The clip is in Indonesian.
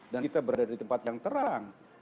dan kita berada di tempat yang terang